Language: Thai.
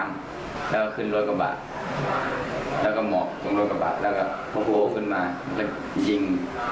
พอโผล่ขึ้นมาก็ยิง